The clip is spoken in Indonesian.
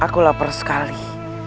aku lapar sekali